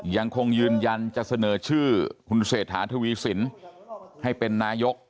ยังคงยืนยันจะเสนอชื่อคุณเศรษฐาทวีสินให้เป็นนายก